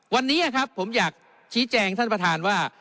วันนี้ครับผมอยากชี้แจงท่านประธานว่า